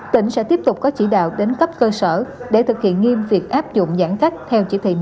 tỉnh sẽ tiếp tục có chỉ đạo đến cấp cơ sở để thực hiện nghiêm việc áp dụng giãn cách theo chỉ thị một mươi chín